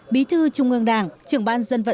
bí thư trung ương đảng trưởng ban dân vận